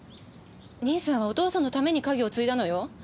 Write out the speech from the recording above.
兄さんはお父さんのために家業を継いだのよ。